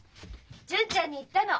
純ちゃんに言ったの。